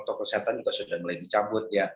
protokol kesehatan juga sudah mulai dicabut ya